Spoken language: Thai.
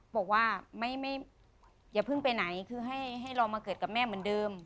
บอกว่าอย่าเพิ่งไปไหนคือให้เรามาเกิดกับแม่เหมือนเดิม